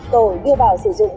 tổ đưa vào sử dụng